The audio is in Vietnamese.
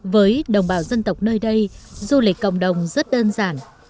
với đồng bào dân tộc nơi đây du lịch cộng đồng rất đơn giản